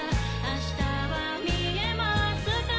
明日は見えますか？